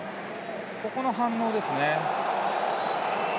ここの反応ですね。